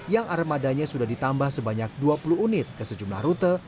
yang armadanya sudah ditambah sebanyak dua puluh unit ke sejumlah rute